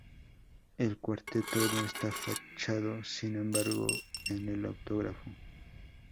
El cuarteto no está fechado, sin embargo, en el autógrafo.